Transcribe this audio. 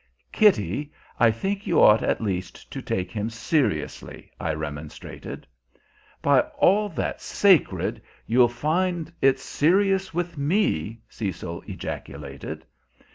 "Kitty, I think you ought at least to take him seriously," I remonstrated. "By all that's sacred, you'll find it's serious with me!" Cecil ejaculated.